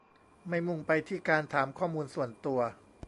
ไม่มุ่งไปที่การถามข้อมูลส่วนตัว